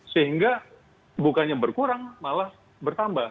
sehingga bukannya berkurang malah bertambah